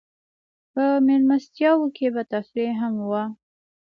په مېلمستیاوو کې به تفریح هم وه.